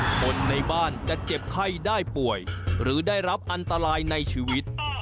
คนในบ้านจะเจ็บไข้ได้ป่วยหรือได้รับอันตรายในชีวิต